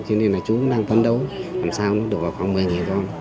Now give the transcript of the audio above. thế nên là chú cũng đang phân đấu làm sao cũng đủ khoảng một mươi con